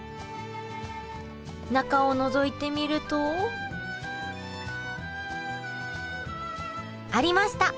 中をのぞいてみるとありました！